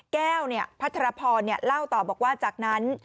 แก้วพัทรพรเล่าต่อบอกว่าจากนั้น